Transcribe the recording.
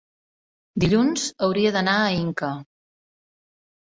Dilluns hauria d'anar a Inca.